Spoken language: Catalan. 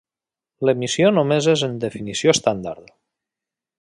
L'emissió només és en definició estàndard.